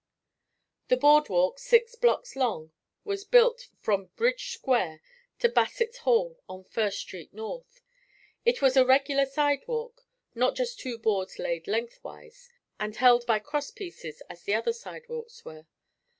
A boardwalk six blocks long was built from Bridge Square to Bassett's Hall on First Street North. It was a regular sidewalk, not just two boards laid lengthwise and held by crosspieces as the other sidewalks were.